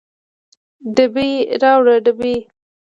ډبې راوړه ډبې